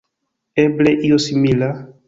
Eble io simila?